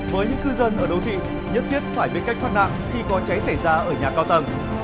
với những cư dân ở đô thị nhất thiết phải biết cách thoát nạn khi có cháy xảy ra ở nhà cao tầng